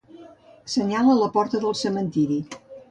Senyal a la porta del cementiri.